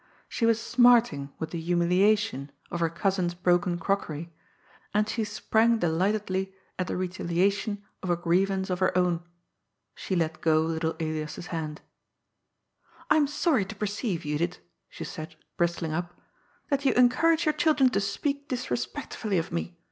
She was smarting with the humiliation of her cousin's broken crockery, and she sprang delightedly at the retaliation of a grievance of her own. She let go little Elias's hand. " I am sorry to perceive, Judith," she said, bristling up, " that you encourage your children to speak disrespectfully of me.